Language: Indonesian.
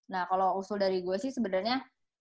nah kalo usul dari gue sih sebenernya